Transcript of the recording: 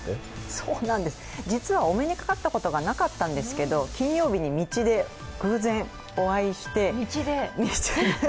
そうなんです、実はお目にかかったことがなかったんですけど金曜日に道で偶然お会いして。